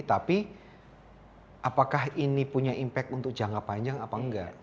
tapi apakah ini punya impact untuk jangka panjang apa enggak